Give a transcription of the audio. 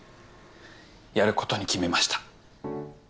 やることに決めました。